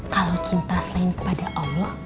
kalau cinta selain kepada allah